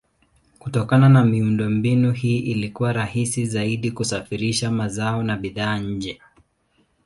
Kutokana na miundombinu hii ilikuwa rahisi zaidi kusafirisha mazao na bidhaa nje.